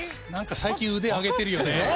最近腕上げてるよね。